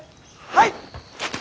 はい！